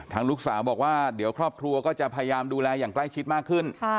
ลูกสาวบอกว่าเดี๋ยวครอบครัวก็จะพยายามดูแลอย่างใกล้ชิดมากขึ้น